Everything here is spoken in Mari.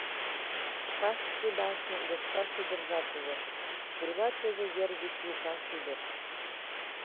Спасский башньын Йошкар шӱдыржат уло: пурла чызе йыр вич лукан шӱдыр.